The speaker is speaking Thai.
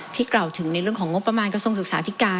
กล่าวถึงในเรื่องของงบประมาณกระทรวงศึกษาธิการ